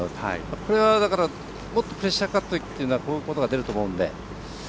これは、もっとプレッシャーかかってくるとこういうことが出ると思うので。